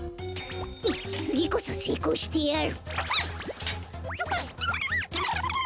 つぎこそせいこうしてやる！